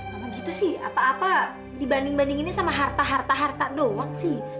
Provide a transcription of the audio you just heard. kalau gitu sih apa apa dibanding bandinginnya sama harta harta harta doang sih